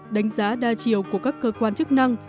đánh giá đa chiều của các cơ quan chức năng